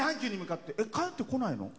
帰ってこないの？